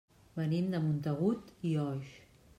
Venim de Montagut i Oix.